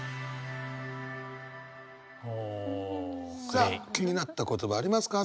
さあ気になった言葉ありますか？